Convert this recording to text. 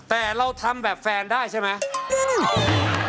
แต่เราทำแบบแฟนได้ใช่ไหม